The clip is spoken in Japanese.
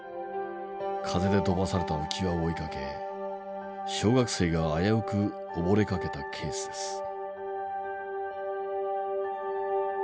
風で飛ばされた浮き輪を追いかけ小学生が危うくおぼれかけたケースです。